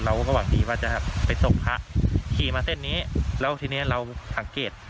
เราก็หวังดีว่าจะไปส่งพระขี่มาเส้นนี้แล้วทีนี้เราสังเกต